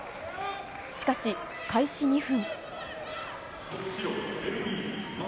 しかし、開始２分。